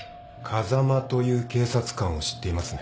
風間という警察官を知っていますね？